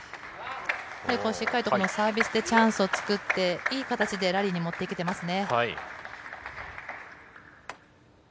しっかりとこのサービスでチャンスを作って、いい形でラリーに持っていけてますね。